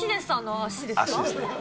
足ですね。